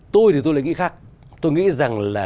tôi thì tôi là nghĩ khác tôi nghĩ rằng là